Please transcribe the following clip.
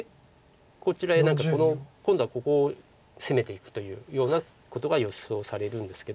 こちらへ何かこの今度はここを攻めていくというようなことが予想されるんですけど。